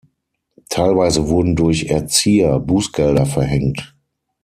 Teilweise wurden durch Erzieher Bußgelder verhängt.